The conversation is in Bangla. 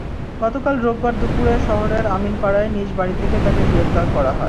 গতকাল রোববার দুপুরে শহরের আমিনপাড়ার নিজ বাড়ি থেকে তাঁকে গ্রেপ্তার করা হয়।